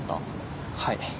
はい。